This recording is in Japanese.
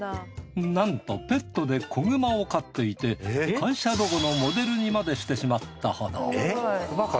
なんとペットで子熊を飼っていて会社ロゴのモデルにまでしてしまったほど。